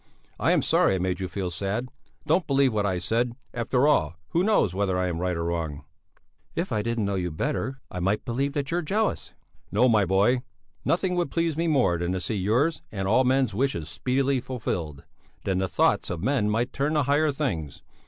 I am sorry I made you feel sad; don't believe what I said; after all, who knows whether I am right or wrong?" "If I didn't know you better, I might believe you that you're jealous." "No, my boy; nothing would please me more than to see yours and all men's wishes speedily fulfilled; then the thoughts of men might turn to higher things.